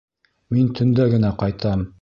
Мин төндә генә ҡайтам.